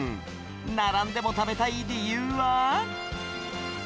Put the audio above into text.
並んでも食べたい理由は。